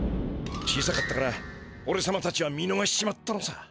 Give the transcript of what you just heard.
小さかったからおれさまたちは見のがしちまったのさ。